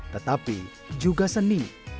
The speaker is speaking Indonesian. tetapi juga seni